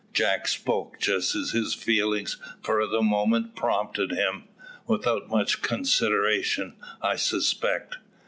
Jack spoke just as his feelings for the moment prompted him, without much consideration, I suspect.